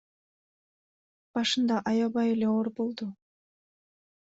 Башында аябай эле оор болду.